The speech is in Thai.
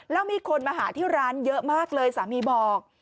แล้วมีคนมาหาที่ร้านเยอะมากเลยสามีบอก